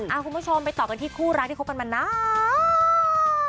เอาคุณผู้ชมไปตอบคุณรักที่คุบกันมันน้าาาา